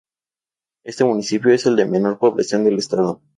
Este municipio es el de menor población del estado.